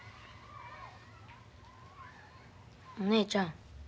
お姉ちゃん。